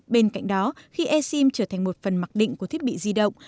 bên cạnh đó khi e sim trở thành một phần mặc định của thiết bị di động